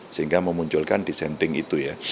sehingga memunculkan dissenting itu ya